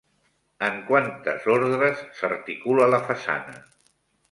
En quantes ordres s'articula la façana?